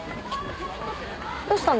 どうしたの？